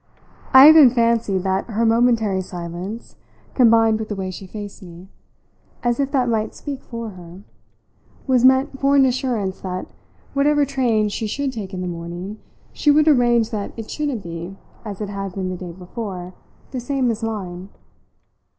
I even fancied that her momentary silence, combined with the way she faced me as if that might speak for her was meant for an assurance that, whatever train she should take in the morning, she would arrange that it shouldn't be, as it had been the day before, the same as mine.